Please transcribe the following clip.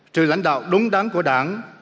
trừ lãnh đạo đúng đáng của đảng